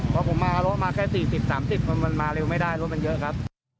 เพราะผมมากับรถมาแค่๔๐๓๐คนมันมาเร็วไม่ได้รถมันเยอะครับ